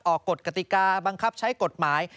กฎกติกาบังคับใช้กฎหมาย